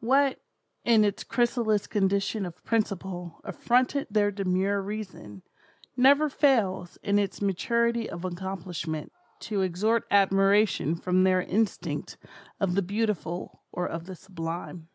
What, in its chrysalis condition of principle, affronted their demure reason, never fails, in its maturity of accomplishment, to extort admiration from their instinct of the beautiful or of the sublime.